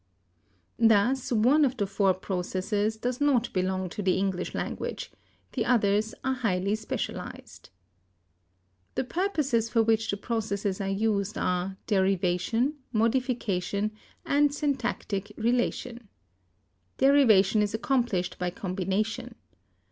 Thus one of the four processes does not belong to the English language; the others are highly specialized. The purposes for which the processes are used are derivation, modification, and syntactic relation. Derivation is accomplished by combination.